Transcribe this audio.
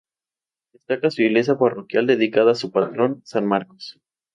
Destaca su Iglesia parroquial dedicada a su patrón, San Marcos.